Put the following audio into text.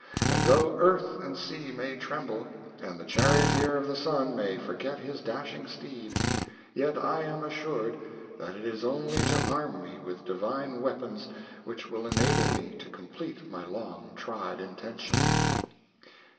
And though earth and sea may tremble, and the charioteer of the sun may forget his dashing steed, yet I am assured that it is only to arm me with divine weapons which will enable me to complete my long tried intention."